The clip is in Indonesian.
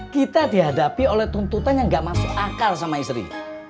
kita dihadapi oleh tuntutan yang gak masuk akal sama istri